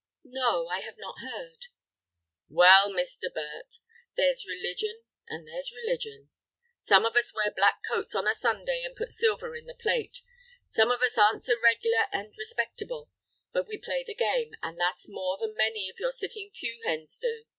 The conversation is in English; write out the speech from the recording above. "No, I have not heard." "Well, Mr. Burt, there's religion and there's religion; some of us wear black coats on a Sunday and put silver in the plate; some of us aren't so regular and respectable, but we play the game, and that's more than many of your sitting pew hens do.